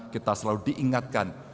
kita selalu diingatkan